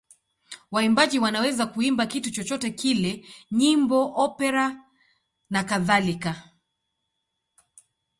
Waimbaji wanaweza kuimba kitu chochote kile: nyimbo, opera nakadhalika.